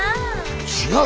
違う！